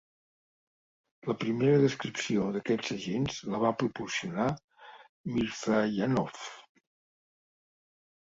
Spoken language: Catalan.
La primera descripció d'aquests agents la va proporcionar Mirzayanov.